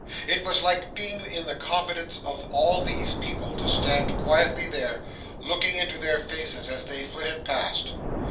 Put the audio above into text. It was like being in the confidence of all these people to stand quietly there, looking into their faces as they flitted past.